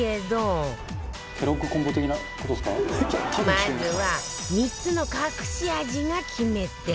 まずは３つの隠し味が決め手